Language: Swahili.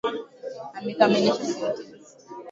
Amekamilisha sentensi